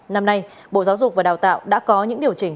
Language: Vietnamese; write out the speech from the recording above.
năm nay bộ giáo dục và đào tạo đã có những điều chỉnh